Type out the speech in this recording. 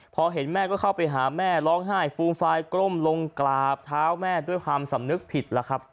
พอเห็นแม่ก็เข้าไปหาแม่ร้องไห้ฟูมฟายกล้มลงกราบเท้าแม่ด้วยความสำนึกผิดแล้วครับ